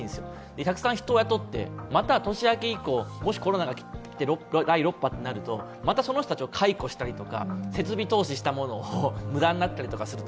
たくさん人を雇って年明け以降、もしコロナが来て第６波となるとまたその人たちを解雇したり、設備投資したものが無駄になったりする。